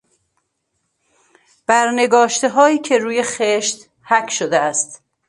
برنگاشتههایی که روی خشت حک شده است.